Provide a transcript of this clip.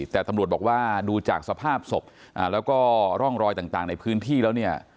แต่ตำรวจบอกว่าดูจากสภาพศพแล้วก็ร่องรอยต่างในพื้นที่แล้วเนี่ย